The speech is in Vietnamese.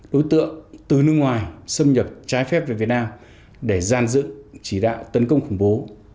đối tượng từ nước ngoài xâm nhập trái phép về việt nam để gian dựng chỉ đạo tấn công khủng bố